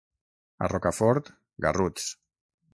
A Rocafort, garruts.